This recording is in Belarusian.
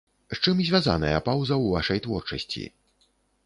З чым звязаная паўза ў вашай творчасці?